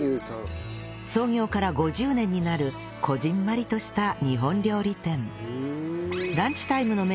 創業から５０年になるこぢんまりとした日本料理店えー！のみ！？